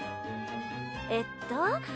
えっと。